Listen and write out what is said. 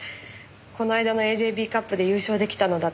この間のＡＪＢカップで優勝出来たのだって